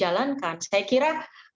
atau ada mekanisme yang tidak dijalankan